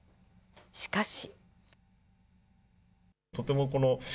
しかし。